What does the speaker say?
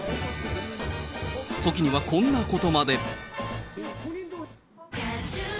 時にはこんなことまで。